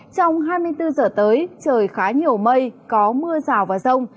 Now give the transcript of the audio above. trong hai mươi bốn giờ tới trời khá nhiều mây có mưa rào và rông